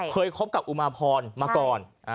คบกับอุมาพรมาก่อน